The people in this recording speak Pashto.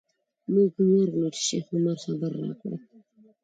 موږ هم ورغلو چې شیخ عمر خبر راکړو.